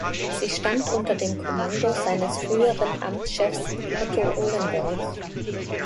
Sie stand unter dem Kommando seines früheren Amtschefs Otto Ohlendorf.